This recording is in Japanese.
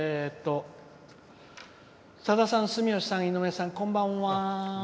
「さださん、住吉さん、井上さんこんばんは。